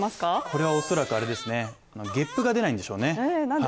これは恐らく、ゲップが出ないんでしょうね。